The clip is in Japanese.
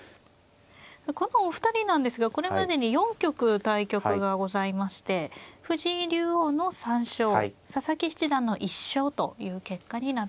このお二人なんですがこれまでに４局対局がございまして藤井竜王の３勝佐々木七段の１勝という結果になっています。